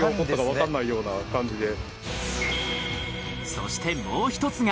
そしてもう１つが。